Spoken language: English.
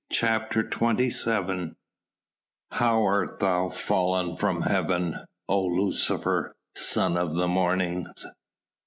CHAPTER XXVII "How art thou fallen from heaven, O Lucifer, son of the morning!"